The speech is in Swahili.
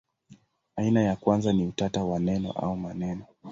Aina ya kwanza ni utata wa neno au maneno.